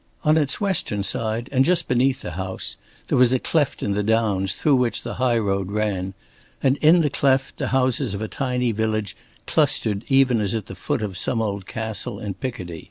On its western side and just beneath the house, there was a cleft in the downs through which the high road ran and in the cleft the houses of a tiny village clustered even as at the foot of some old castle in Picardy.